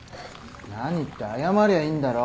何って謝りゃいいんだろ。